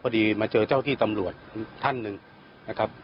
พอดีมาเจอเจ้าที่ตำรวจท่านหนึ่งนะครับ